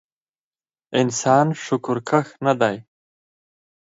انسان شکرکښ نه دی